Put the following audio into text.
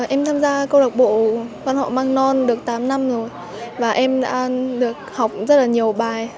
em tham gia câu lạc bộ văn họ mang non được tám năm rồi và em đã được học rất là nhiều bài